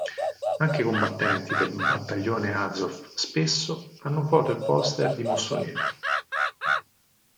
Anche i combattenti del Battaglione Azov spesso hanno foto e poster di Mussolini.